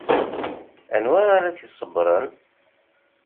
Anwa ara t-iṣebbren?